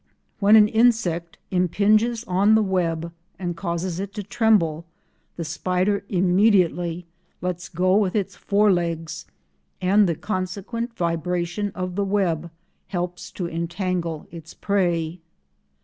When an insect impinges on the web and causes it to tremble, the spider immediately lets go with its fore legs, and the consequent vibration of the web helps to entangle its prey.